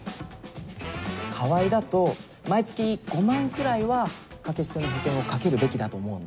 川合だと毎月５万くらいは掛け捨ての保険をかけるべきだと思うんだ。